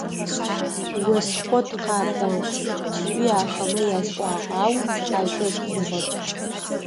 «Ос хъот къакӏо»,- сӏуи ахэми ясӏуагъ, ау ашӏошъ хъугъэп.